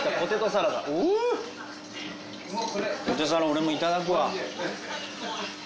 ポテサラ俺もいただくわ。